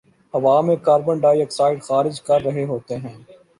ہوا میں carbon dioxide خارج کررہے ہوتے ہیں